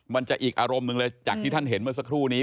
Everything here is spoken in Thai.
มันจะอีกอารมณ์หนึ่งเลยจากที่ท่านเห็นเมื่อสักครู่นี้